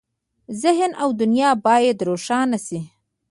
ذهن او دنیا باید روښانه شي.